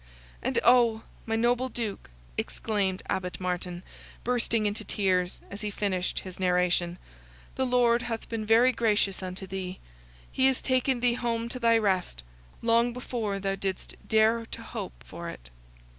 "And oh! my noble Duke!" exclaimed Abbot Martin, bursting into tears, as he finished his narration, "the Lord hath been very gracious unto thee! He has taken thee home to thy rest, long before thou didst dare to hope for it."